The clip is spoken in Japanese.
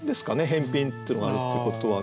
返品ってのがあるってことはね。